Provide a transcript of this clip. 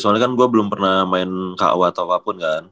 soalnya kan gue belum pernah main ku atau apapun kan